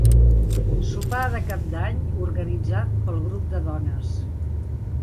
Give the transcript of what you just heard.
Sopar de Cap d'Any organitzat pel grup de dones.